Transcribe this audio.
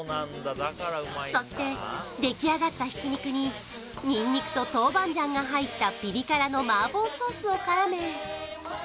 そして出来上がった挽き肉にニンニクと豆板醤が入ったピリ辛の麻婆ソースを絡め